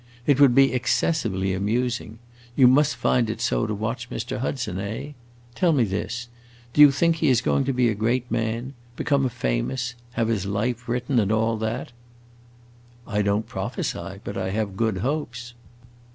It would be excessively amusing. You must find it so to watch Mr. Hudson, eh? Tell me this: do you think he is going to be a great man become famous, have his life written, and all that?" "I don't prophesy, but I have good hopes."